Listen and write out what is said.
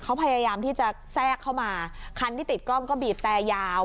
เขาพยายามที่จะแทรกเข้ามาคันที่ติดกล้องก็บีบแต่ยาว